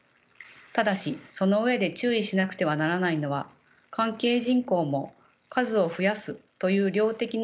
ただしその上で注意しなくてはならないのは関係人口も数を増やすという量的な議論に回収されがちなことです。